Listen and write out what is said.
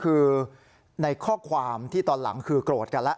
คือในข้อความที่ตอนหลังคือโกรธกันแล้ว